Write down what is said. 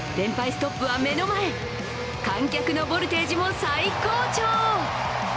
ストップは目の前観客のボルテージも最高潮。